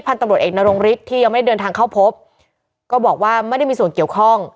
ตำรวจเอกนรงฤทธิ์ที่ยังไม่ได้เดินทางเข้าพบก็บอกว่าไม่ได้มีส่วนเกี่ยวข้อง